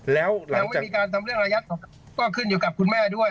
แล้วยังไม่มีการทำเรื่องอายัดก็ขึ้นอยู่กับคุณแม่ด้วย